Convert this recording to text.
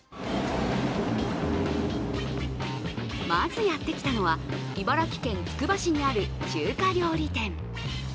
まずやってきたのは茨城県つくば市にある中華料理店。